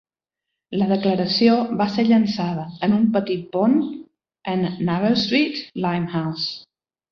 La declaració va ser llançada en un petit pont en Narrow Street, Limehouse.